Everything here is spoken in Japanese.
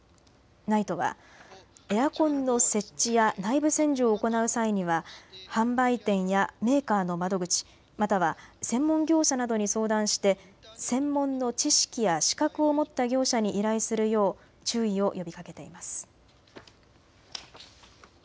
ＮＩＴＥはエアコンの設置や内部洗浄を行う際には販売店やメーカーの窓口、または専門業者などに相談して専門の知識や資格を持った業者に依頼するよう注意を呼びかけています。